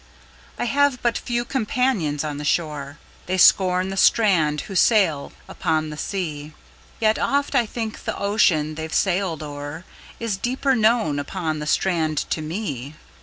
I have but few companions on the shore:They scorn the strand who sail upon the sea; Yet oft I think the ocean they've sailed o'erIs deeper known upon the strand to me.